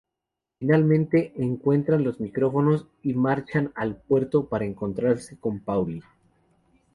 Finalmente encuentra los micrófonos y marchan al puerto para encontrarse con Paulie.